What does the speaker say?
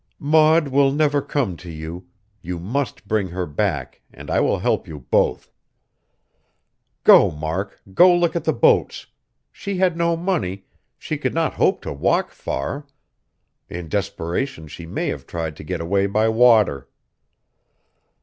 "Maud will never come to you; you must bring her back and I will help you both. Go, Mark, go look at the boats! She had no money; she could not hope to walk far; in desperation she may have tried to get away by water."